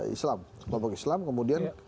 islam kelompok islam kemudian